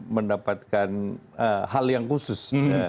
mendapatkan hal yang khusus